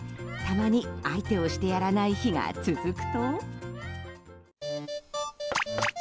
たまに、相手をしてやらない日が続くと。